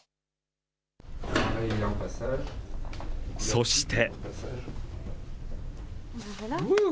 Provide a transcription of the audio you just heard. そして。